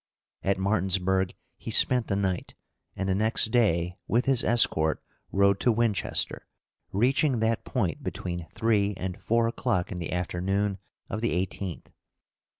At Martinsburg he spent the night, and the next day, with his escort, rode to Winchester, reaching that point between three and four o'clock in the afternoon of the 18th.